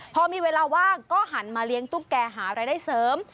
พอมีเวลาว่างก็หันมาเลี้ยงตุ๊กแก่หารายได้เสริม